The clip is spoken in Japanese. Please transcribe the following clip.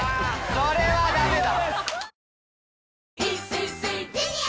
それはダメだ！